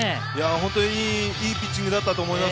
本当にいいピッチングだったと思います。